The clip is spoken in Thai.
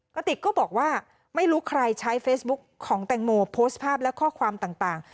กระติกก็บอกว่าไม่รู้ใครใช้เฟซบุ๊คของแตงโมโพสต์ภาพและข้อความต่าง